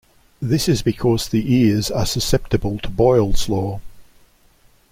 This is because the ears are susceptible to Boyle's Law.